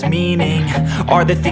kamu jangan aneh aneh deh